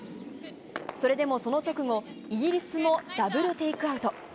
それでもその直後、イギリスもダブルテイクアウト。